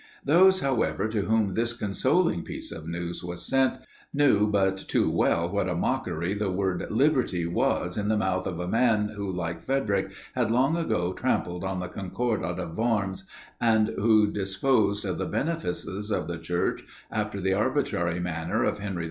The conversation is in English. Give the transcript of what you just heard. Those, however, to whom this consoling piece of news was sent, knew but too well what a mockery the word liberty was in the mouth of a man who like Frederic had long ago trampled on the Concordat of Worms, and who disposed of the benefices of the Church after the arbitrary manner of Henry IV.